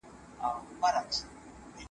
پرسینه د خپل اسمان مي لمر لیدلی ځلېدلی .